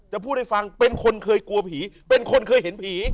พูดให้ฟังเป็นคนเคยกลัวผีเป็นคนเคยเห็นผี